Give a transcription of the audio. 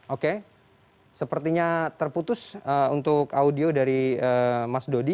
oke sepertinya terputus untuk audio dari mas dodi